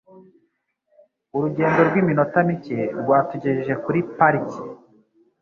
Urugendo rw'iminota mike rwatugejeje kuri parike.